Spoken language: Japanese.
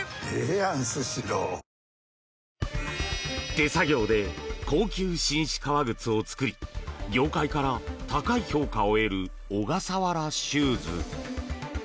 手作業で高級紳士革靴を作り業界から高い評価を得る小笠原シューズ。